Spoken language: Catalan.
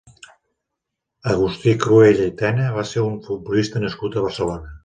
Agustí Cruella i Tena va ser un futbolista nascut a Barcelona.